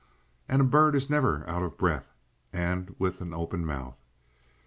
And a bird is never out of breath and with an open mouth.